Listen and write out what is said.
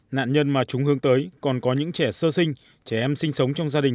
nạn nhân mà chúng hướng tới còn có những trẻ sơ sinh trẻ em sinh sống trong gia đình